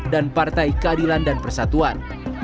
dan partai keadilan dan persatuan